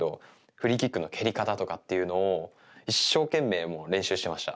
フリーキックの蹴り方とかを一生懸命、練習していました。